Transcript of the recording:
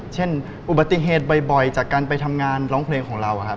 เช่นอุบัติเหตุบ่อยจากการไปทำงานร้องเพลงของเราครับ